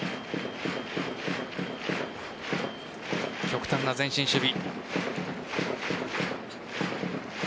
極端な前進守備。